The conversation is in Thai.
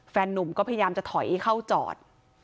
นุ่มก็พยายามจะถอยเข้าจอด